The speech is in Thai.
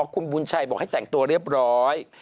คุณบุญชัยบอกให้แต่งตัวเรียบร้อย